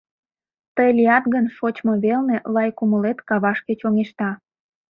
Тый лият гын шочмо велне, Лай кумылет кавашке чоҥешта.